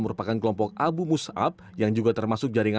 merupakan kelompok abu musab yang juga termasuk jaringan